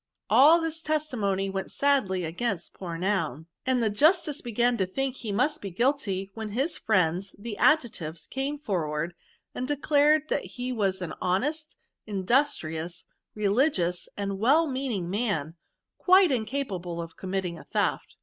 All this testimony went sadly against poor Noun, and the justice began to think he must U guflty ; when liis friends, the Ad jectives, came forward, and declared that he was an honest, indu^triotis, religious, and well meaning man, quite incapable of com mitting a theft."